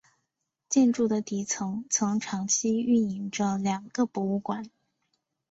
建筑的底层曾长期运营着两个博物馆。